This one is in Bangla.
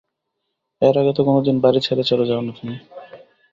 এর আগে তো কোনোদিন বাড়ি ছেড়ে চলে যাও নি তুমি।